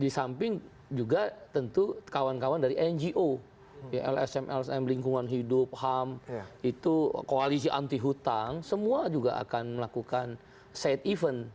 di samping juga tentu kawan kawan dari ngo lsm lsm lingkungan hidup ham itu koalisi anti hutang semua juga akan melakukan side event